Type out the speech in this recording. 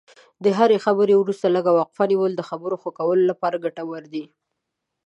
د هرې خبرې وروسته لږه وقفه نیول د خبرو ښه کولو لپاره ګټور دي.